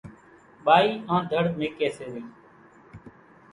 ٻائِي آنڌڻ ميڪيَ سي رئِي۔